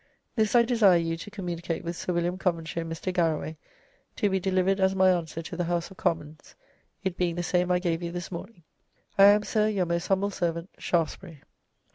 This I desire you to communicate with Sir William Coventry and Mr. Garroway to be delivered as my answer to the House of Commons, it being the same I gave you this morning. "I am, Sir, "Your most humble servant, "SHAFTESBURY."